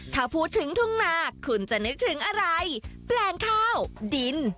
ถ้าพูดถึงทุ่งนาคุณจะนึกถึงอะไรแปลงข้าวดิน